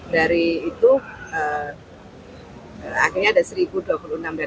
dari itu akhirnya ada satu dua puluh enam deraja